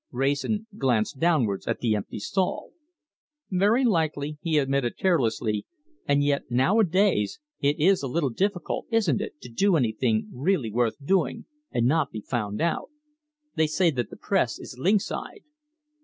Wrayson glanced downwards at the empty stall. "Very likely," he admitted carelessly, "and yet, nowadays, it is a little difficult, isn't it, to do anything really worth doing, and not be found out? They say that the press is lynx eyed."